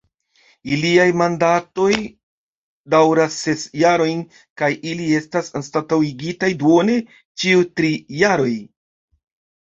Iliaj mandatoj daŭras ses jarojn, kaj ili estas anstataŭigitaj duone ĉiu tri jaroj.